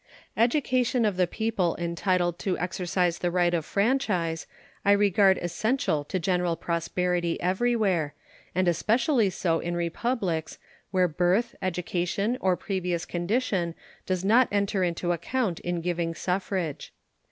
Education of the people entitled to exercise the right of franchise I regard essential to general prosperity everywhere, and especially so in republics, where birth, education, or previous condition does not enter into account in giving suffrage.